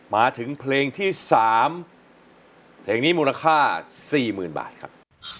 มาถึงเพลงที่๓เพลงนี้มูลค่า๔๐๐๐บาทครับ